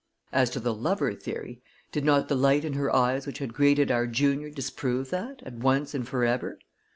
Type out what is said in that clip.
As to the lover theory, did not the light in her eyes which had greeted our junior disprove that, at once and forever?